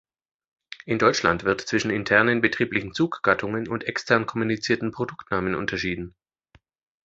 In Deutschland wird zwischen internen betrieblichen Zuggattungen und extern kommunizierten Produktnamen unterschieden.